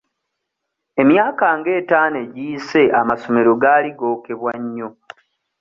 Emyaka nga etaano egiyise amasomero gaali gookyebwa nnyo.